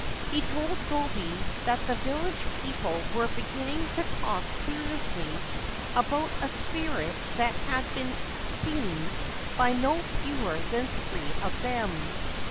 He told Gobei that the village people were beginning to talk seriously about a spirit that had been seen by no fewer than three of them.